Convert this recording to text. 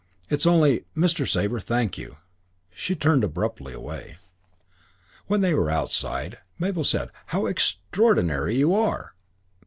It's only Mr. Sabre, thank you." She turned abruptly away. When they were outside, Mabel said, "How extraordinary you are!"